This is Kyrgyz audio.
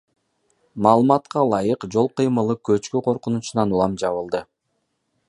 Маалыматка ылайык, жол кыймылы көчкү коркунучунан улам жабылды.